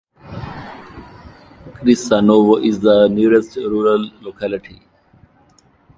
Krisanovo is the nearest rural locality.